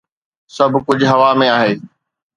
سڀ ڪجهه هوا ۾ آهي.